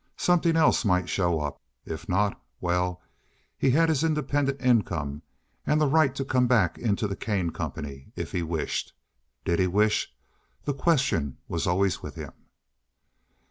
Something else might show up. If not—well, he had his independent income and the right to come back into the Kane Company if he wished. Did he wish? The question was always with him.